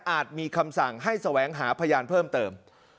มีคำสั่งให้แสวงหาพยานเพิ่มเติม